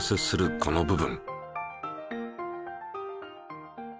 この部分。